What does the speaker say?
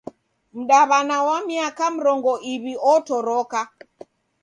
Mdaw'ana wa miaka mrongo iw'i otoroka.